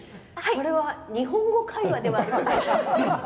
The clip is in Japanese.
これは日本語会話では？